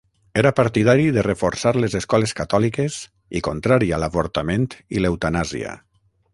Era partidari de reforçar les escoles catòliques i contrari a l'avortament i l'eutanàsia.